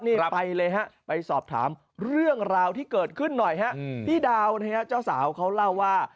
นี่ไปเลยฮะไปสอบถามเรื่องราวที่เกิดขึ้นหน่อยฮะพี่ดาวนะฮะเจ้าสาวเขาเล่าว่า